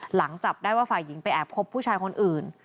จับได้ว่าฝ่ายหญิงไปแอบคบผู้ชายคนอื่น